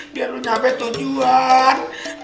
biar lu nyampe tujuan